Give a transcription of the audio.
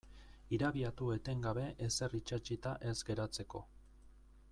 Irabiatu etengabe ezer itsatsita ez geratzeko.